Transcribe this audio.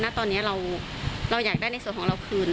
หน้าตอนเนี้ยเราเราอยากได้ในส่วนของเราคืน